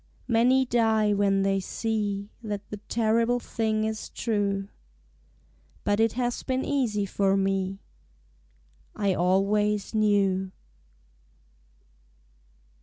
Many die when they see That the terrible thing is true. But it has been easy for me: I always knew.